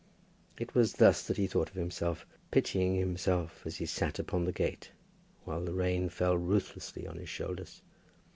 It was thus that he thought of himself, pitying himself, as he sat upon the gate, while the rain fell ruthlessly on his shoulders.